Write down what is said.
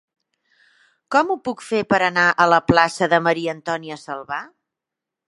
Com ho puc fer per anar a la plaça de Maria-Antònia Salvà?